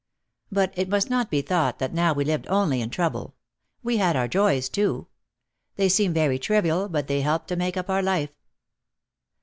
But it must not be thought that now we lived only in trouble. We had our joys too. They seem very trivial but they helped to make up our life.